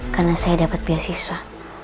karena saya dapet beasiswa